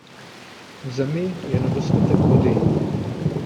V zemi je nedostatek vody.